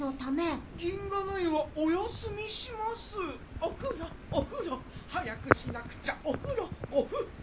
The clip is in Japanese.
「おふろおふろ早くしなくちゃ」「おふろ」ギャハ！